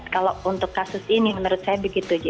kalau untuk kasus ini menurut saya begitu